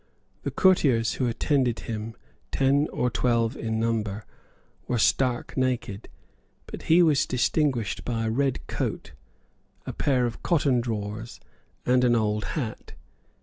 The courtiers who attended him, ten or twelve in number, were stark naked; but he was distinguished by a red coat, a pair of cotton drawers, and an old hat.